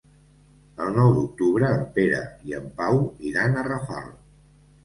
El nou d'octubre en Pere i en Pau iran a Rafal.